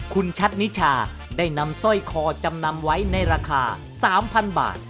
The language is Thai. คุณชัดนิชาได้นำสร้อยคอจำนำไว้ในราคา๓๐๐๐บาท